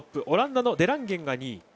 オランダのデランゲンが２位。